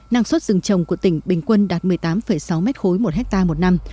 năng suất rừng trồng của tỉnh bình quân đạt một mươi tám sáu m ba một ha một năm